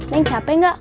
neng capek nggak